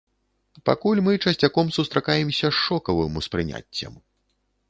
Пакуль мы часцяком сустракаемся з шокавым успрыняццем.